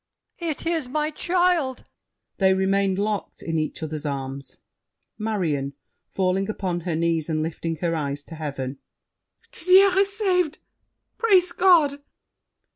It is my child! [They remain locked in each other's arms. MARION (falling upon her knees and lifting her eyes to heaven). Didier is saved! Praise God!